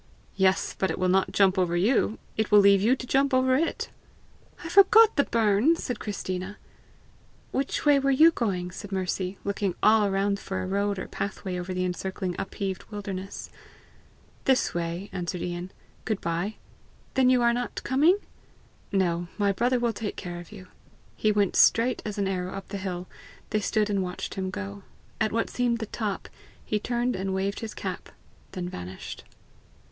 "Yes; but it will not jump over you; it will leave you to jump over it!" "I forgot the burn!" said Christina. "Which way were you going?" asked Mercy, looking all around for road or pathway over the encircling upheaved wildernesses. "This way," answered Ian. "Good bye." "Then you are not coming?" "No. My brother will take care of you." He went straight as an arrow up the hill. They stood and watched him go. At what seemed the top, he turned and waved his cap, then vanished.